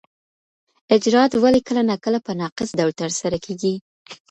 اجرات ولي کله ناکله په ناقص ډول ترسره کیږي؟